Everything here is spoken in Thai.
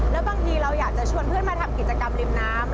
แล้วบางทีเราอยากจะชวนเพื่อนมาทำกิจกรรมริมน้ำ